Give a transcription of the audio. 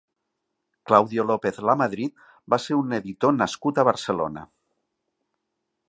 Claudio López Lamadrid va ser un editor nascut a Barcelona.